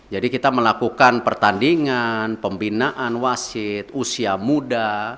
jadi kita melakukan pertandingan pembinaan wasit usia muda